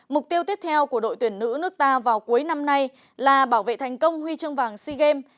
mục tiêu tiếp theo của đội tuyển nữ nước ta vào cuối năm nay là bảo vệ thành công huy chương vàng sea games